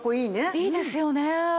いいですよね。